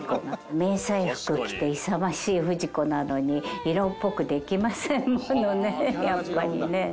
迷彩服着て勇ましい不二子なのに色っぽくできませんものねやっぱりね。